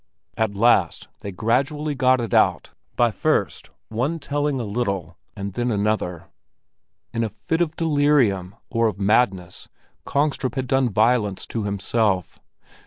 At last they gradually got it out by first one telling a little and then another: in a fit of delirium or of madness Kongstrup had done violence to himself.